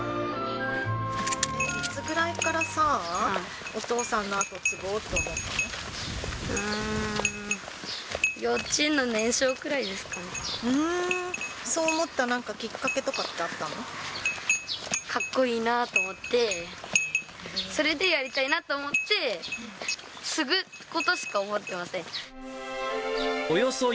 いつぐらいからさあ、うーん、幼稚園の年少くらいそう思ったなんかきっかけとかっこいいなと思って、それで、やりたいなと思って、継ぐことしか思ってません。